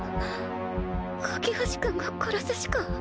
架橋君が殺すしか？